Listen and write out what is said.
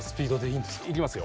いきますよ。